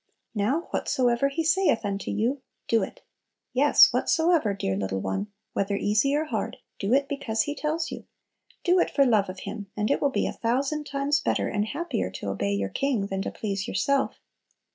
Now "whatsoever He saith unto you, do it!" Yes, "whatsoever," dear little one, whether easy or hard, do it because He tells you; do it for love of Him, and it will be a thousand times better and happier to obey your King than to please yourself.